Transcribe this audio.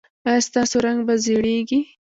ایا ستاسو رنګ به زیړیږي؟